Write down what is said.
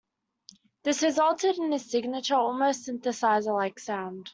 This resulted in his signature, almost synthesizer-like sound.